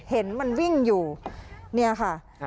เห็นมันวิ่งอยู่เนี่ยค่ะ